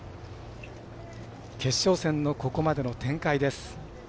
決勝戦のここまでの展開です。